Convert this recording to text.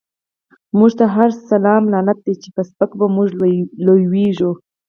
مونږ ته هر سلام لعنت دۍ، چی په سپکه په مونږ لویږی